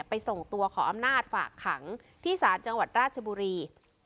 ส่งตัวขออำนาจฝากขังที่ศาลจังหวัดราชบุรี